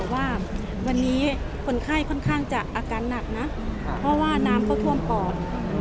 ว่าวันนี้คนไข้ค่อนข้างจะอาการหนักนะเพราะว่าน้ำเข้าท่วมปอด